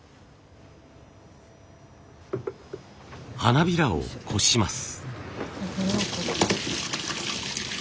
花びらをこします。